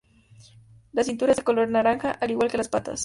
La cintura es de color naranja al igual que las patas.